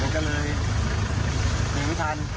ก็เลยดื่มไม่ทัน